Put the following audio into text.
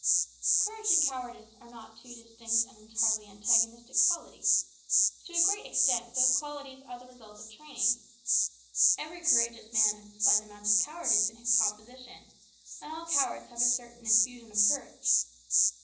Courage and cowardice are not two distinct and entirely antagonistic qualities. To a great extent those qualities are the result of training. Every courageous man has a slight amount of cowardice in his composition, and all cowards have a certain infusion of courage.